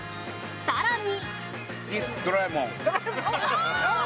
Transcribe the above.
更に。